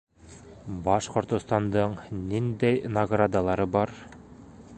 Башҡортостандың ниндәй наградалары бар?